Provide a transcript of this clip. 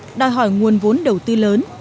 sẽ bị tăng đòi hỏi nguồn vốn đầu tư lớn